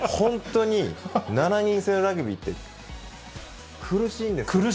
本当に７人制のラグビーって、苦しいんですよ。